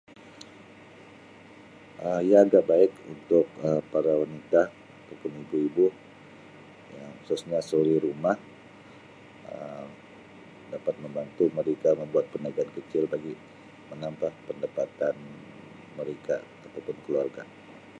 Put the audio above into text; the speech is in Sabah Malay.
Um Yang terbaik untuk Um para wanita atau pun ibu-ibu, yang khususnya suri rumah Um dapat membantu mereka membuat perniagaan kecil bagi menambah pendapatan mereka atau pun keluarga.